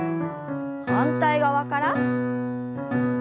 反対側から。